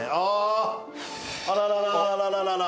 あらららららら。